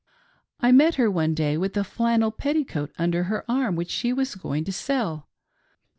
I met her one day with a flannel petticoat under her arm, which she was going to sell.